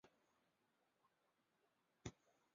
录影真的超耗电